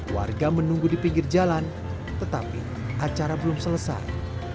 warga menunggu di pinggir jalan tetapi acara belum selesai